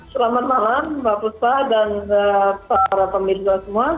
selamat malam mbak puspa dan para pemirsa semua